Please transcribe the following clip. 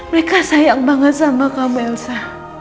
mereka sayang banget sama kamu elsa